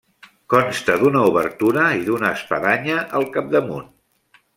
Consta d'una obertura i d'una espadanya al capdamunt.